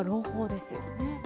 ですよね。